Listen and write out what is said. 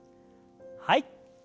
はい。